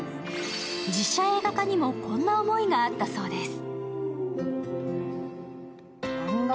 実写映画化にも、こんな思いがあったそうです。